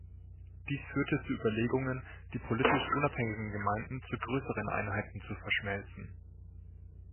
Dies führte zu Überlegungen, die politisch unabhängigen Gemeinden zu grösseren Einheiten zu verschmelzen.